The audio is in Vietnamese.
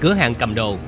cửa hàng cầm đồ